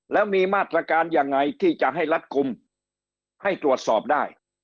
แล้วมีมาตรการยังไงที่จะให้รัดกลุ่มให้ตรวจสอบได้